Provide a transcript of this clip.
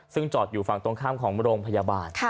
ซึ่งจอดอยู่ฝั่งตรงข้ามของโรงพยาบาล